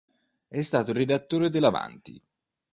È stato redattore dell"'Avanti!